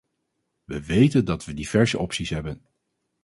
We weten dat we diverse opties hebben.